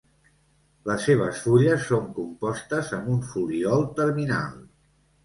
Les seves fulles són compostes, amb un folíol terminal.